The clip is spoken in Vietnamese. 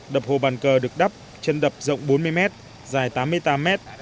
đập hồ bàn cờ được đắp chân đập rộng bốn mươi mét dài tám mươi tám mét